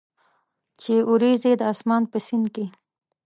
چې اوریځي د اسمان په سیند کې،